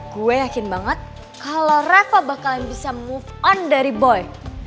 gue yakin banget kalau rafa bakalan bisa move on dari boy